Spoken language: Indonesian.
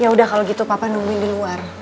yaudah kalo gitu papa nungguin diluar